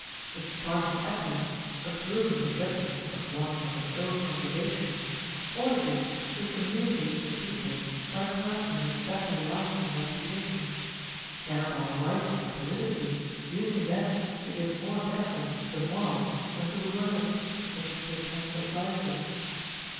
The Spartan Ephors, approving the judgment of one of an ill conversation, ordered it to be communicated to the people by a person of better life OF HEARING. 419 and reputation ; thereby wisely and politicly using them to give more deference to the morals than to the words of such as pretend to advise them.